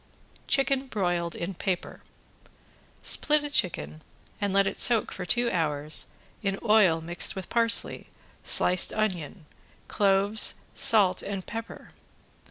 ~CHICKEN BROILED IN PAPER~ Split a chicken and let it soak for two hours in oil mixed with parsley, sliced onion, cloves, salt and pepper.